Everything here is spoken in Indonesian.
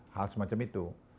hal semacam itu